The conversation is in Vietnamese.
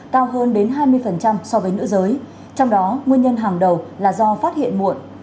cao hơn đến hai mươi so với nữ giới trong đó nguyên nhân hàng đầu là do phát hiện muộn